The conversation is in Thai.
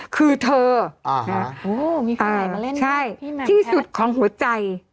คือเธอที่สุดของหัวใจ